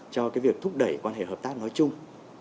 cho cái việc thúc đẩy quan hệ hợp tác nói chung